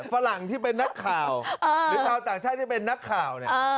ฝรั่งที่เป็นนักข่าวหรือชาวต่างชาติที่เป็นนักข่าวเนี่ย